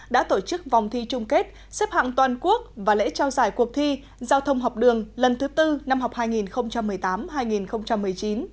đã tổ chức vòng thi chung kết xếp hạng toàn quốc và lễ trao giải cuộc thi giao thông học đường lần thứ tư năm học hai nghìn một mươi tám hai nghìn một mươi chín